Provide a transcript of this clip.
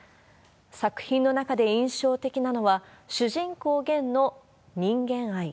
作品の中で印象的なのは、主人公ゲンの人間愛。